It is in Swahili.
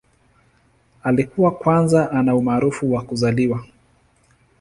Alikuwa kwanza ana umaarufu wa kuzaliwa.